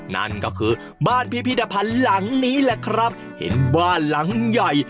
นั่นก็คือบ้านพิพิธภัณฑ์หลังนี้แหละครับเห็นบ้านหลังใหญ่